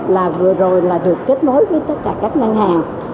là vừa rồi là được kết nối với tất cả các ngân hàng